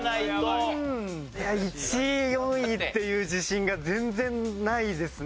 いや１位４位っていう自信が全然ないですね。